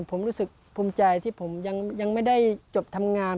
ผมรู้สึกภูมิใจที่ผมยังไม่ได้จบทำงาน